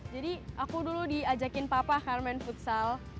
jadi aku dulu diajakin papa karena main futsal